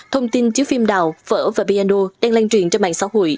thông tin chứa phim đào phở và piano đang lan truyền trên mạng xã hội